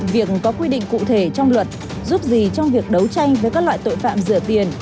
việc có quy định cụ thể trong luật giúp gì trong việc đấu tranh với các loại tội phạm rửa tiền